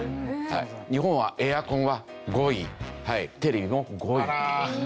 日本はエアコンは５位テレビも５位。